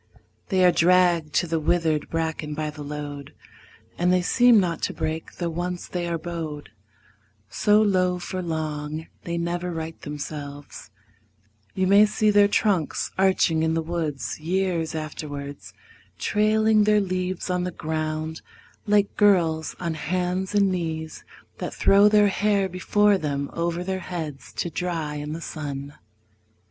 They are dragged to the withered bracken by the load, And they seem not to break; though once they are bowed So low for long, they never right themselves: You may see their trunks arching in the woods Years afterwards, trailing their leaves on the ground Like girls on hands and knees that throw their hair Before them over their heads to dry in the sun.